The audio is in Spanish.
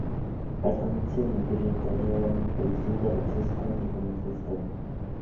Al comienzo del Imperio, Italia era una colección de territorios con diferentes estatus.